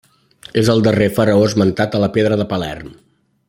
És el darrer faraó esmentat a la pedra de Palerm.